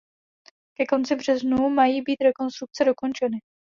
Ke konci březnu mají být rekonstrukce dokončeny.